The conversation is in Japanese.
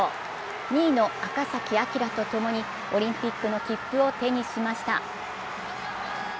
２位の赤崎暁とともにオリンピックの切符を手にしました。